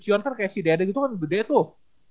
cion kan kayak si dede gitu kan bedanya tuh